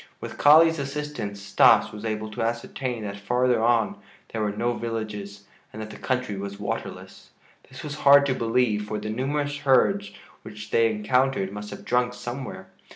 With Kali's assistance Stas was able to ascertain that farther on there were no villages and that the country was waterless. This was hard to believe, for the numerous herds which they encountered must have drunk somewhere.